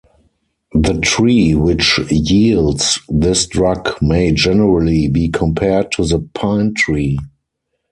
The tree which yields this drug may generally be compared to the pine tree.